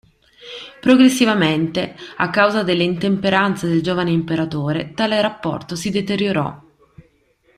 Progressivamente, a causa delle intemperanze del giovane imperatore, tale rapporto si deteriorò.